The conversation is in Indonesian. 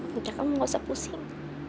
nanti kamu nggak usah pusing